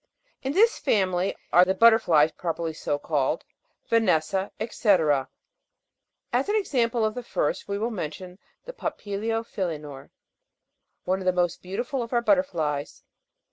In this family are the butter/ties, proper ly so called, Vanessa,&z,c. 19. As an example of the first we will mention the Papilio philenor (Jig. 45), one of the most beautiful of our butterflies.